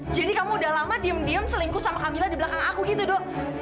jadi kamu udah lama diem diem selingkuh sama camilla di belakang aku gitu do